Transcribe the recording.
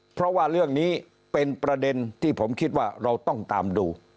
เพราะว่าเรื่องนี้เป็นประเด็นที่ผมคิดว่าเราต้องตามดู